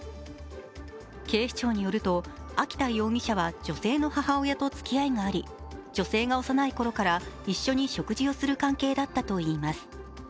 警視庁によると、秋田容疑者は女性の母親とつきあいがあり女性が幼いころから一緒に食事をする関係だったといいます。